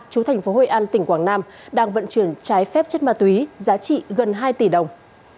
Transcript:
chú thành phố hội an tỉnh quảng nam đang vận chuyển trái phép chất ma túy giá trị gần hai tỷ đồng